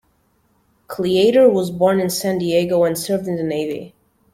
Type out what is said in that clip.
Cleator was born in San Diego and served in the Navy.